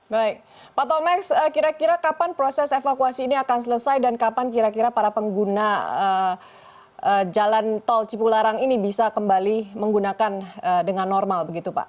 baik pak tomeks kira kira kapan proses evakuasi ini akan selesai dan kapan kira kira para pengguna jalan tol cipularang ini bisa kembali menggunakan dengan normal begitu pak